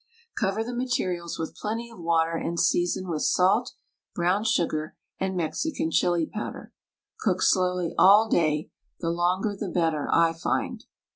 Cover the materials with plenty of water and season with salt, brown sugar, and Mexican chili powder. Cook slowly all day — the longer the better, I find.